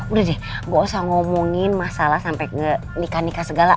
udah deh gak usah ngomongin masalah sampai ke nikah nikah segala